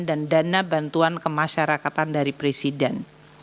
dan dana bantuan kemasyarakatan dari presiden